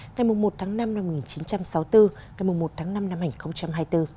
ngày một tháng năm năm một nghìn chín trăm sáu mươi bốn ngày một tháng năm năm hai nghìn hai mươi bốn